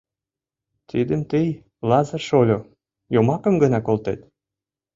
Тидым тый, Лазыр шольо, йомакым гына колтет.